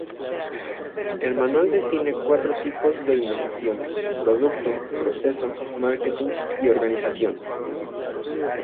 El Manual define cuatro tipos de innovaciones: producto, proceso, marketing y organización.